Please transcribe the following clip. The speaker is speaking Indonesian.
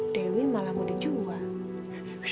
dewi malah mau dijual